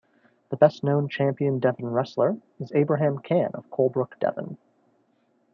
The best known champion Devon wrestler is Abraham Cann of Colebrooke, Devon.